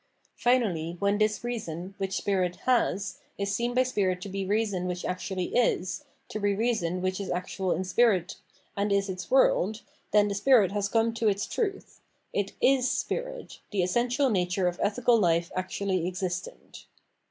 Finally, when this reason, which spirit " has" is seen by spirit to be reason which actually is, to be reason which is actual in spirit, and is its world, then spirit has come to its truth ; it is spirit, the essential nature of ethical fife actually existent.